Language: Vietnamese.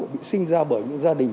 bị sinh ra bởi gia đình